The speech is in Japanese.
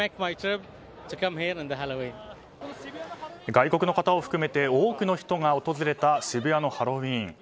外国の方を含めて多くの人が訪れた、渋谷のハロウィーン。